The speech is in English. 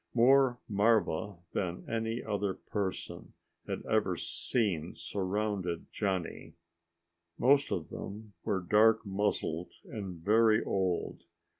More marva than any other person had ever seen surrounded Johnny. Most of them were dark muzzled and very old.